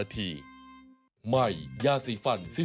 พูดอย่างนี้